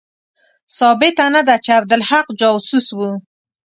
ثابته نه ده چې عبدالحق جاسوس وو.